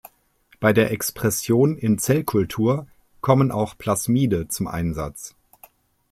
Bei der Expression in Zellkultur kommen auch Plasmide zum Einsatz.